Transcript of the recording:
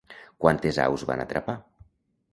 Quantes aus van atrapar?